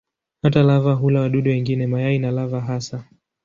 Hata lava hula wadudu wengine, mayai na lava hasa.